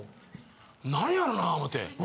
何やろな思て。